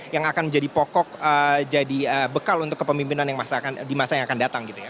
yang akan menjadi pokok jadi bekal untuk kepemimpinan di masa yang akan datang